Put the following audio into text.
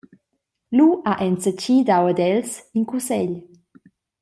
Lu ha enzatgi dau ad els in cussegl.